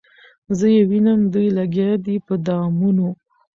زه یې وینم دوی لګیا دي په دامونو